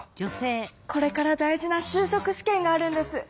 これから大事なしゅうしょく試験があるんです。